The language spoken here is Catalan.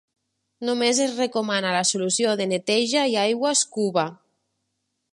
Només es recomana la solució de neteja i aigua Scooba.